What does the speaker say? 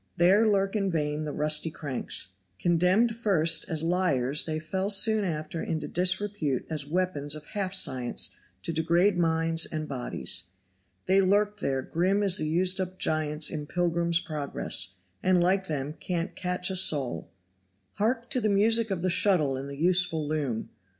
there lurk in vain the rusty cranks; condemned first as liars they fell soon after into disrepute as weapons of half science to degrade minds and bodies. They lurk there grim as the used up giants in "Pilgrim's Progress," and like them can't catch a soul. Hark to the music of the shuttle and the useful loom.